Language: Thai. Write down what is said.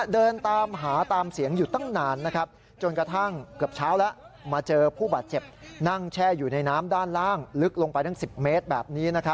เดินตามหาตามเสียงอยู่ตั้งนานนะครับ